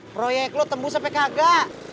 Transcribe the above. proyek lo tembus sampai kagak